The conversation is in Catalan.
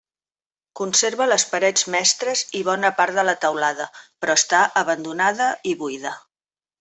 Conserva les parets mestres i bona part de la teulada, però està abandonada i buida.